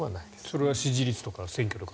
それは支持率とか選挙で？